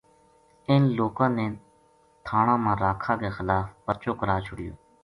اِنھ لوکاں نے تھا نہ ما راکھاں کے خلاف پرچو کرا چھُڑیو